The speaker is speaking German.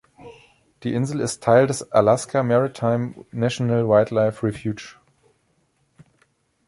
Die Insel ist Teil des Alaska Maritime National Wildlife Refuge.